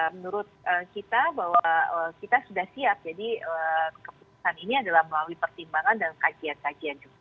menurut kita bahwa kita sudah siap jadi keputusan ini adalah melalui pertimbangan dan kajian kajian